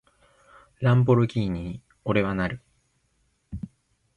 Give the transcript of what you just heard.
ランボルギーニに、俺はなる！